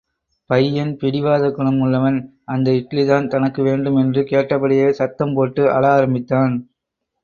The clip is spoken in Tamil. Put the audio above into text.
பையன் பிடிவாத குணம் உள்ளவன், அந்த இட்லிதான் தனக்கு வேண்டும் என்று கேட்டபடியே சத்தம் போட்டு அழ ஆரம்பித்தான்.